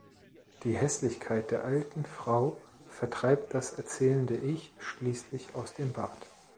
Die Hässlichkeit der alten Frau vertreibt das erzählende Ich schließlich aus dem Bad.